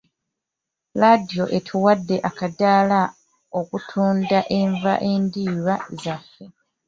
Laadiyo etuwadde akaddaala okutunda enva endiirwa zaffe